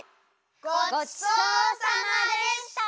ごちそうさまでした！